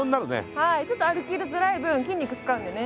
ちょっと歩きづらい分筋肉使うんでね。